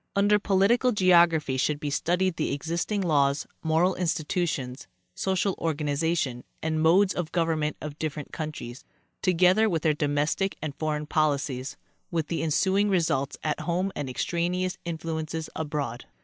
Under political geography should be studied the existing laws, moral institutions, social organization and modes of government of different countries, together with their domestic and foreign policies, with the ensu ing results at home and extraneous influences abroad.